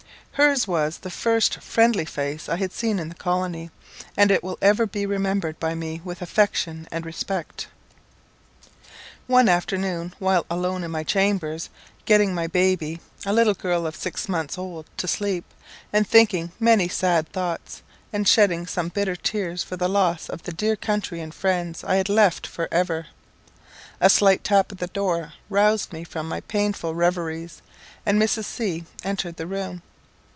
Hers was the first friendly face I had seen in the colony, and it will ever be remembered by me with affection and respect. One afternoon while alone in my chamber, getting my baby, a little girl of six months old, to sleep, and thinking many sad thoughts, and shedding some bitter tears for the loss of the dear country and friends I had left for ever, a slight tap at the door roused me from my painful reveries, and Mrs. C entered the room.